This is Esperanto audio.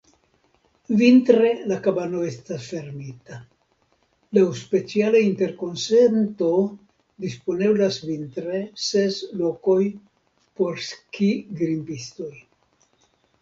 Vintre la kabano estas fermita; laŭ speciala interkonsento disponeblas vintre ses lokoj por skigrimpistoj.